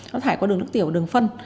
nó thải qua đường nước tiểu đường phân